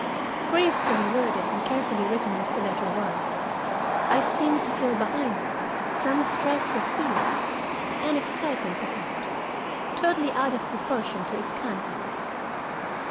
Gracefully worded and carefully written as the letter was, I seemed to feel behind it some stress of feeling, an excitement perhaps, totally out of proportion to its contents.